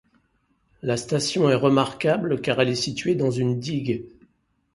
La station est remarquable car elle est située dans une digue.